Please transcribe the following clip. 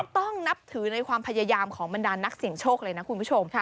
ต้องนับถือในความพยายามของบรรดานนักเสี่ยงโชคเลยนะคุณผู้ชม